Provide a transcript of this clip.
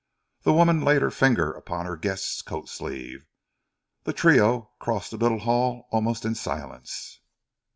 The woman laid her fingers upon her guest's coat sleeve. The trio crossed the little hall almost in silence.